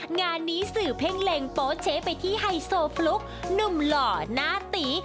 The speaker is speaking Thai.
งานนี้สื่อเพ่งเล็งโป๊เช๊ไปที่ไฮโซฟลุ๊กหนุ่มหล่อหน้าตี